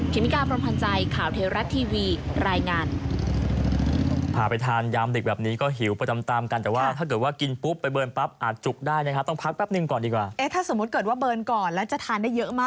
เคมิการพร้อมพันธ์ใจข่าวเทราะทีวีรายงาน